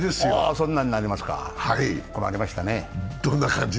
そんなになりますか、困りましたね。